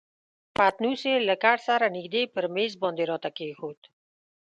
پتنوس یې له کټ سره نژدې پر میز باندې راته کښېښود.